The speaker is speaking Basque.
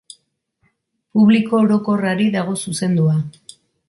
Publiko orokorrari dago zuzendua.